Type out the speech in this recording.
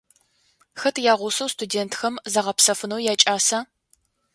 Хэт ягъусэу студентхэм загъэпсэфынэу якӏаса?